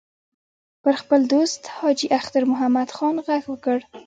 پر خپل دوست حاجي اختر محمد خان غږ وکړ.